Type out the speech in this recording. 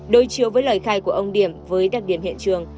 đối chiếu với lời khai của ông điểm với đặc điểm hiện trường